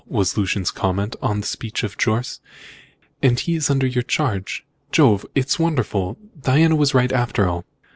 was Lucian's comment on the speech of Jorce, "and he is here under your charge? Jove! it's wonderful! Diana was right, after all!"